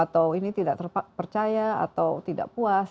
atau ini tidak terpercaya atau tidak puas